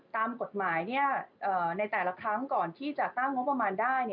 ตามกฎหมายในแต่ละครั้งก่อนที่จะตั้งงบประมาณได้